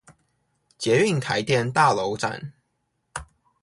捷運臺電大樓站